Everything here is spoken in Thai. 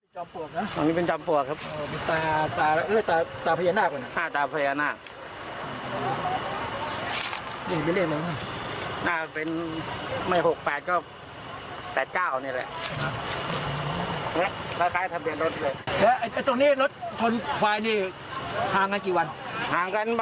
ปลวกนะตรงนี้เป็นจอมปลวกครับ